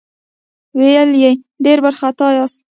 ويې ويل: ډېر وارخطا ياست؟